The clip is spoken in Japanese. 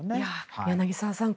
柳澤さん